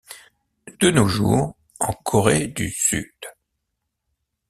De nos jours, en Corée du Sud.